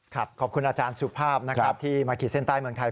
ขอบคุณอาจารย์สุภาพนะครับที่มาขีดเส้นใต้เมืองไทย